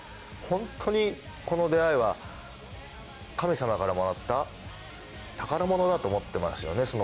ホントにこの出会いは神様からもらった宝物だと思ってますよね